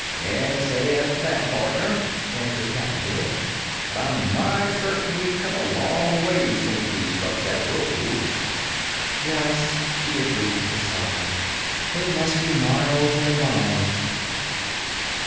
"Can't say as to that, partner," answered Cap'n Bill, "but I'm mighty certain we've come a long way since we struck that whirlpool." "Yes," she agreed, with a sigh, "it must be miles and miles!"